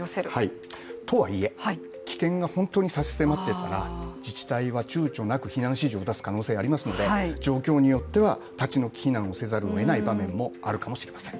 とはいえ、危険が本当に差し迫っているなら自治体はちゅうちょなく避難指示を出す可能性がありますので、状況によっては立ち退き避難をせざるをえない場面もあるかもしれません。